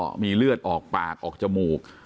อยู่ดีก็มีเลือดออกปากออกจมูก